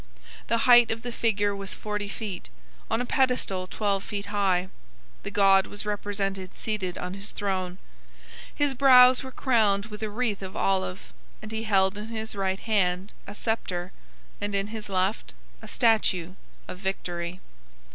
The height of the figure was forty feet, on a pedestal twelve feet high. The god was represented seated on his throne. His brows were crowned with a wreath of olive, and he held in his right hand a sceptre, and in his left a statue of Victory.